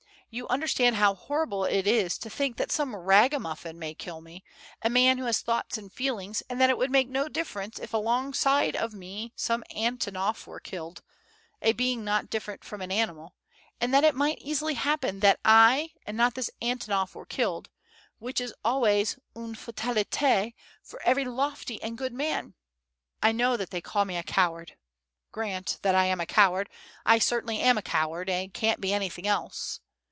You understand how horrible it is to think that some ragamuffin may kill me, a man who has thoughts and feelings, and that it would make no difference if alongside of me some Antonof were killed, a being not different from an animal and that it might easily happen that I and not this Antonof were killed, which is always UNE FATALITE for every lofty and good man. I know that they call me a coward: grant that I am a coward, I certainly am a coward, and can't be anything else.